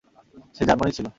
সে জার্মানির ছিল।